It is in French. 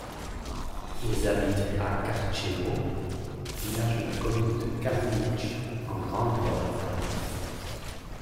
Ils habitent à Karczewo, village de la commune de Kaminiec en Grande-Pologne.